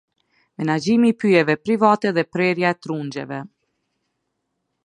Menaxhimi i pyjeve private dhe prerja e trungjeve.